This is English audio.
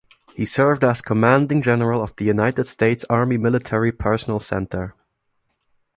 He served as Commanding General of the United States Army Military Personnel Center.